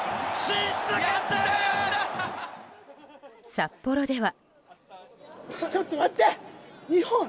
札幌では。